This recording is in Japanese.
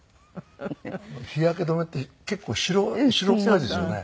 日焼け止めって結構白っぽいですよね。